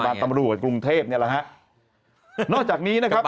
ตำรวจกรุงเทพเนี่ยแหละฮะนอกจากนี้นะครับ